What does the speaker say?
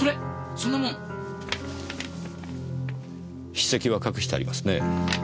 筆跡は隠してありますねぇ。